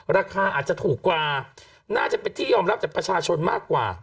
ราคาอาจจะถูกกว่าน่าจะเป็นที่ยอมรับจากประชาชนมากกว่า